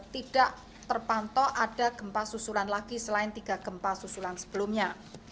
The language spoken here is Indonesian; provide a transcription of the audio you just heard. tidak terpantau ada gempa susulan lagi selain tiga gempa susulan sebelumnya